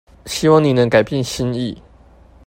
希望你能改變心意